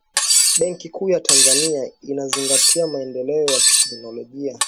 benki kuu ya tanzania inazingatia maendeleo ya teknolojia